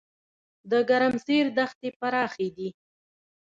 د ګرمسیر دښتې پراخې دي